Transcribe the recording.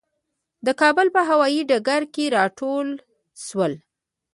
د کابل په هوايي ډګر کې راټول شولو.